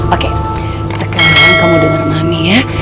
oke sekarang kamu dengar mami ya